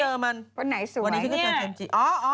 พวกนี้